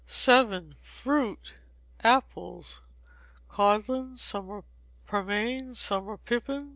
vii. Fruit. Apples: Codlin, summer pearmain, summer pippin.